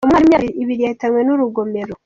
Umwana w’imyaka ibiri yahitanywe n’urugomero